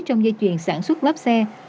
trong dây chuyền sản xuất lớp xe